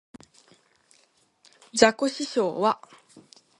ザコシショウは